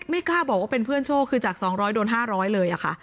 กล้าบอกว่าเป็นเพื่อนโชคคือจาก๒๐๐โดน๕๐๐เลยค่ะ